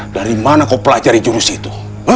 dari mana kau pelajari jurus itu